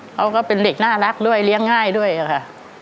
ก็เป็นเด็กน่ารักด้วยเลี้ยงง่ายด้วยค่ะ